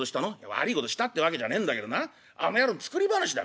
「悪いことしたってわけじゃねえんだけどなあの野郎の作り話だ。